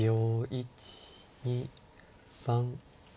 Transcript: １２３。